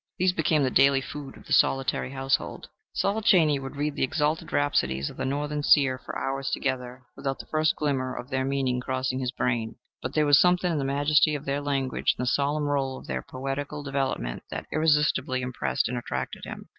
These became the daily food of the solitary household. Saul Chaney would read the exalted rhapsodies of the Northern seer for hours together, without the first glimmer of their meaning crossing his brain. But there was something in the majesty of their language and the solemn roll of their poetical development that irresistibly impressed and attracted him.